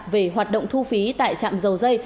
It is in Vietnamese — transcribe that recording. về hoạt động thu phí tại chạm dầu dây